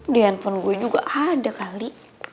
di handphone gue juga ada kali